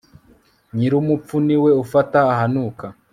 nyirumupfu ni we ufata ahanuka